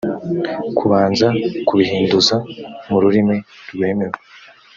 kubanza kubihinduza mu rurimi rwemewe